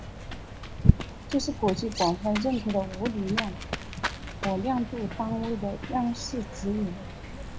这是国际广泛认可的物理量和量度单位的样式指引。